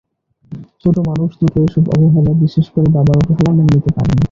ছোট মানুষ দুটো এসব অবহেলা, বিশেষ করে বাবার অবহেলা মেনে নিতে পারেনি।